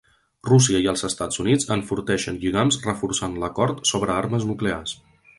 Rússia i els Estats Units enforteixen lligams reforçant l'acord sobre armes nuclears